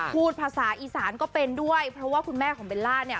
พูดภาษาอีสานก็เป็นด้วยเพราะว่าคุณแม่ของเบลล่าเนี่ย